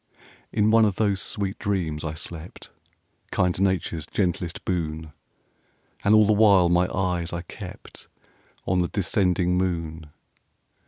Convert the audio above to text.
In one of those sweet dreams I slept, Kind Nature's gentlest boon! And all the while my eyes I kept On the descending moon.